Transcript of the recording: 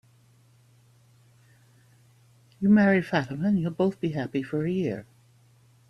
You'll marry Fatima, and you'll both be happy for a year.